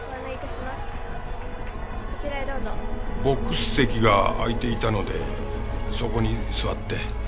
ボックス席が空いていたのでそこに座って。